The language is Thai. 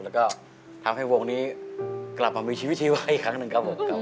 แล้วก็ทำให้วงนี้กลับมามีชีวิตชีวะอีกครั้งหนึ่งครับผม